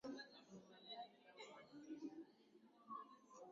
hii Mpoto anasema kuwa hata kama asipotoa nyimbo au kuonekana kimuziki bado